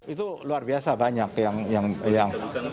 itu luar biasa banyak yang